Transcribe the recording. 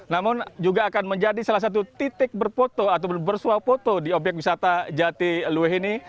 namun juga akan menjadi salah satu titik berfoto atau bersuap foto di obyek wisata jatiluwe ini